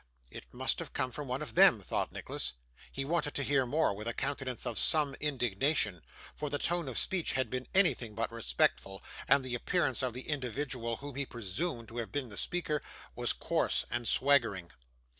'It must have come from one of them,' thought Nicholas. He waited to hear more with a countenance of some indignation, for the tone of speech had been anything but respectful, and the appearance of the individual whom he presumed to have been the speaker was coarse and swaggering.